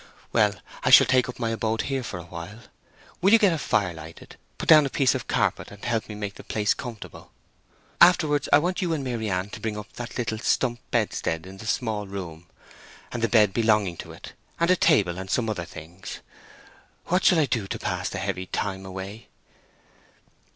Well, I shall take up my abode here for a while. Will you get a fire lighted, put down a piece of carpet, and help me to make the place comfortable. Afterwards, I want you and Maryann to bring up that little stump bedstead in the small room, and the bed belonging to it, and a table, and some other things.... What shall I do to pass the heavy time away?"